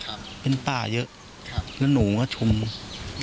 ป้าอันนาบอกว่าตอนนี้ยังขวัญเสียค่ะไม่พร้อมจะให้ข้อมูลอะไรกับนักข่าวนะคะ